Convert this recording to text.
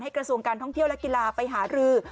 กระทรวงการท่องเที่ยวและกีฬาไปหารือ